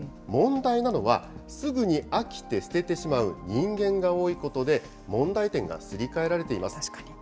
問題なのはすぐに飽きて捨ててしまう人間が多いことで、問題点がすり替えられています。